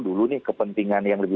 dulu nih kepentingan yang lebih